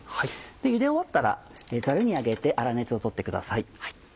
ゆで終わったらザルに上げて粗熱を取ってください。